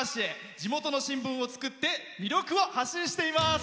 地元の新聞を作って魅力を発信しています。